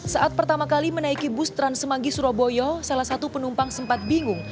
saat pertama kali menaiki bus trans semanggi surabaya salah satu penumpang sempat bingung